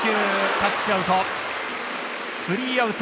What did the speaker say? タッチアウト、スリーアウト。